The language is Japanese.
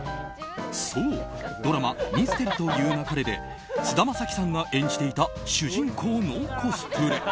そうドラマ「ミステリと言う勿れ」で菅田将暉さんが演じていた主人公のコスプレ。